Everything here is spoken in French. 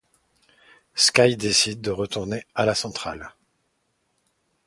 Sky décide de retourner à la centrale.